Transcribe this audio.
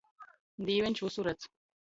Dīveņš vysu redz!